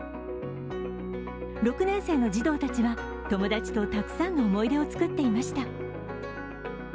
６年生の児童たちは友達とたくさんの思い出を作っていました。